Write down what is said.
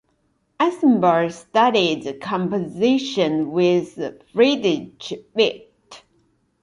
Eschborn studied composition with Friedrich Witt.